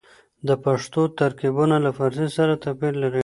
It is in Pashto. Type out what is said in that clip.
د پښتو ترکيبونه له فارسي سره توپير لري.